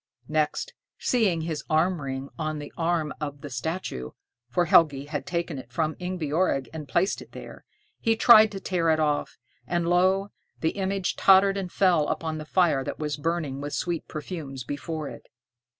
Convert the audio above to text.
Next, seeing his arm ring on the arm of the statue, for Helgi had taken it from Ingebjorg and placed it there, he tried to tear it off, and, lo! the image tottered and fell upon the fire that was burning with sweet perfumes before it.